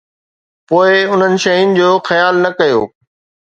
پوءِ انهن شين جو خيال نه ڪيو؟